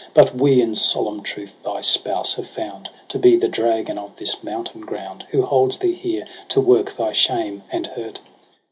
But we in solemn truth thy spouse have found To be the dragon of this mountain ground. Who holds thee here to work thy shame and hurt.